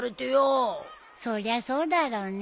そりゃそうだろうね。